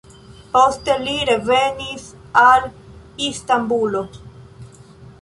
Poste li revenis al Istanbulo.